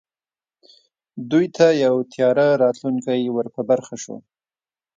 دوی ته یو تیاره راتلونکی ور په برخه شو